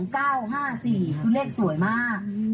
๘๒๙๕๔คือเลขสวยมาก